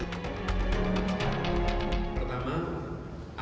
dki jakarta memastikan